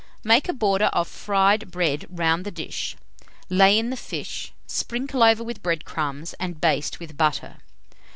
Make a border of fried bread round the dish, lay in the fish, sprinkle over with bread crumbs, and baste with butter.